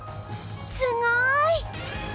すごい！